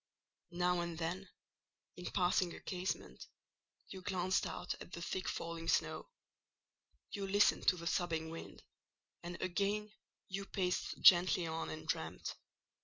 Now and then, in passing a casement, you glanced out at the thick falling snow; you listened to the sobbing wind, and again you paced gently on and dreamed.